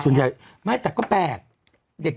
แต่ส่วนใหญ่ไม่แต่ก็แปลก